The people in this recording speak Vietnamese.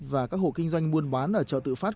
và các hộ kinh doanh buôn bán ở chợ tự phát